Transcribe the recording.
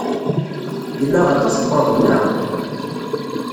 Yella aṭas n waḍu, naɣ?